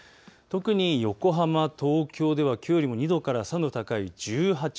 特に横浜、東京では、きょうより２度から３度高い１８度。